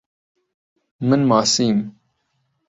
من ماسیم.